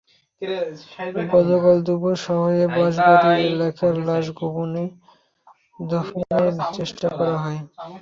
গতকাল দুপুরের শহরের বাঁশগাড়ি এলাকায় লাশ গোপনে দাফনের চেষ্টা করা হয়।